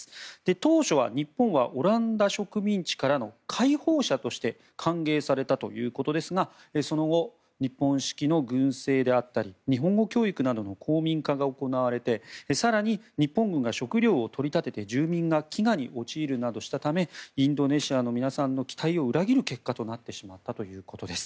当初は日本はオランダ植民地からの解放者として歓迎されたということですがその後、日本式の軍政であったり日本語教育などの皇民化が行われて更に、日本軍が食料を取り立てて住民が飢餓に陥るなどしたためインドネシアの皆さんの期待を裏切る結果となってしまったということです。